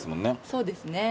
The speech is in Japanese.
そうですね。